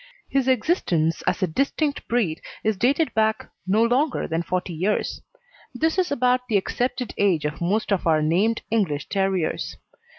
His existence as a distinct breed is dated back no longer than forty years. This is about the accepted age of most of our named English terriers.